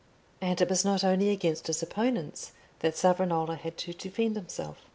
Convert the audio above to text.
And it was not only against his opponents that Savonarola had to defend himself.